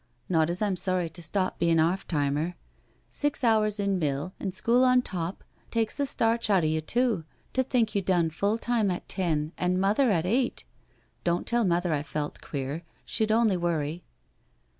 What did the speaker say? " Not as I'm sorry to stop bein' 'arf timer. Six hours in mill, an* school on top, takes the starch out o* yo* too— to think you done full time at ten, and mother at eight I •.. Don't tell mother I felt queer— she'd only worry."